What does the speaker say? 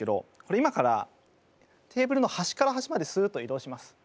今からテーブルの端から端まですっと移動します。